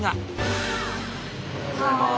おはようございます。